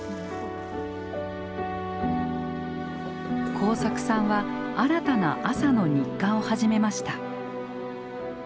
耕作さんは新たな朝の日課を始めました。